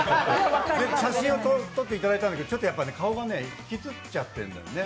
写真を撮っていただいたんだけど顔が引きつっちゃってるんだよね。